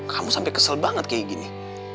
kamu sampai kesel banget kayak gini